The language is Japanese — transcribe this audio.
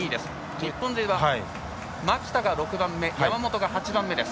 日本勢は蒔田が６番目山本が８番目です。